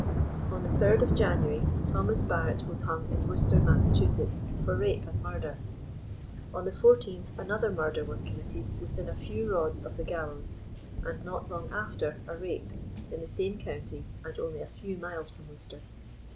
On the 3d of January, Thomas Barrett was hung in Worcester, Mass., for rape and murder. On the 14th another murder was committed within a few rods of the gallows, and not long after a rape, in the same county, and only a few miles from Worcester.